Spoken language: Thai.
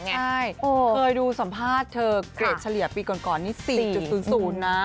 ใช่เคยดูสัมภาษณ์เธอเกรดเฉลี่ยปีก่อนนี้๔๐๐นะ